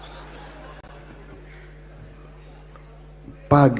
politik di indonesia